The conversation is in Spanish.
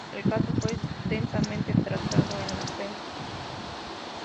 El caso fue extensamente tratado en la prensa.